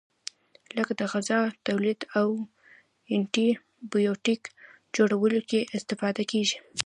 لکه د غذا تولید او انټي بیوټیک جوړولو کې استفاده کیږي.